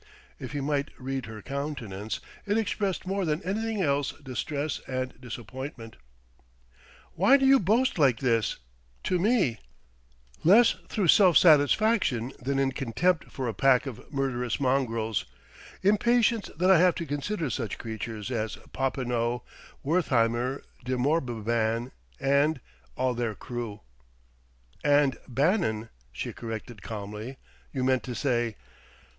If he might read her countenance, it expressed more than anything else distress and disappointment. "Why do you boast like this to me?" "Less through self satisfaction than in contempt for a pack of murderous mongrels impatience that I have to consider such creatures as Popinot, Wertheimer, De Morbihan and all their crew." "And Bannon," she corrected calmly "you meant to say!"